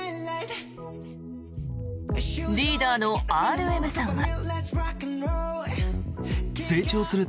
リーダーのＲＭさんは。